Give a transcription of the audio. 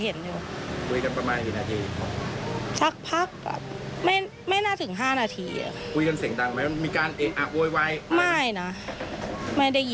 ตอนนั้นเราคิดว่าเป็นยังไงเป็นเหตุการณ์อะไร